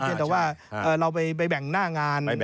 แต่ว่าเราไปแบ่งหน้างาน